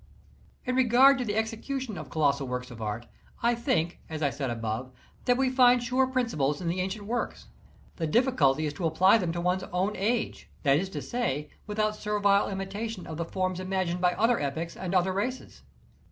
In regard to the execution of colossal works of art, I think, as I said above, that we find sure principles in the ancient works. The difficulty is to apply them to one's 4¬´ own age, that is to say, without servile imitation of ^ the forms imagined by other epochs and other races.